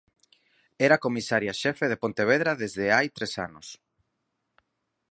Era comisaria xefe de Pontevedra desde hai tres anos.